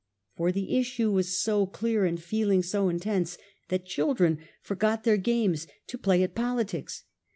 For the issue was so clear, and feeling so intense, that children forgot their games to play at politics.